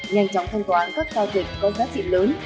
nhanh chóng thanh toán các giao dịch có giá trị lớn